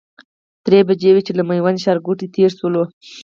درې بجې وې چې له میوند ښارګوټي تېر شولو.